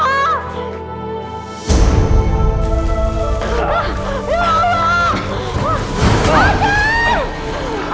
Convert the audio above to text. akka ya allah